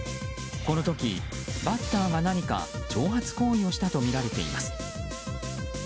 この時、バッターが何か挑発行為をしたとみられています。